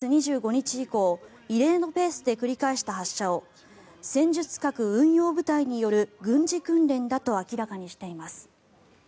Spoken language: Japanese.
北朝鮮は先月２５日以降異例のペースで繰り返した発射を戦術核運用部隊による軍事訓練だと明らかにしています。